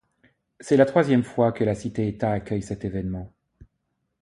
C'est la troisième fois que la cité-état accueille cet événement.